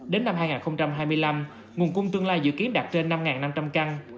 đến năm hai nghìn hai mươi năm nguồn cung tương lai dự kiến đạt trên năm năm trăm linh căn